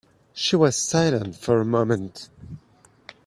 She was silent for a moment.